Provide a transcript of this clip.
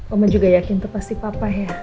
oma juga yakin itu pasti papa ya